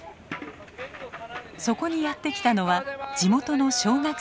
そこにやって来たのは地元の小学生たち。